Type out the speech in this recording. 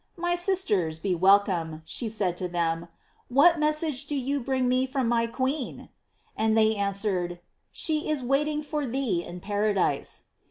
"My sist ers, be welcome,0 she said to them; "what message do you bring me from my queen?" And they answered: "She is waiting for thee in paradise."